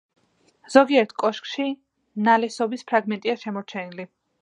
ზოგიერთ კოშკში ნალესობის ფრაგმენტებია შემორჩენილი.